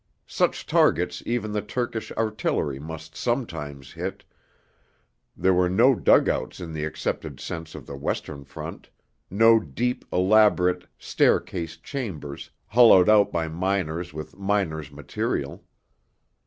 Such targets even the Turkish artillery must sometimes hit, There were no dug outs in the accepted sense of the Western Front, no deep, elaborate, stair cased chambers, hollowed out by miners with miners' material.